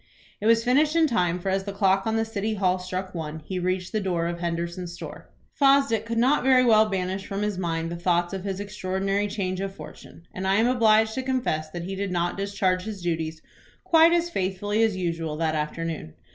It was finished in time, for as the clock on the city hall struck one, he reached the door of Henderson's store. Fosdick could not very well banish from his mind the thoughts of his extraordinary change of fortune, and I am obliged to confess that he did not discharge his duties quite as faithfully as usual that afternoon.